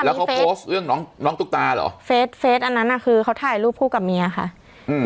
แล้วเขาเรื่องน้องน้องตุ๊กตาหรอเฟซอันนั้นน่ะคือเขาถ่ายรูปพูดกับเมียบิร์ค